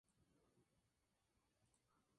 Amor generoso de su gran corazón.